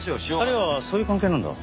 ２人はそういう関係なんだ。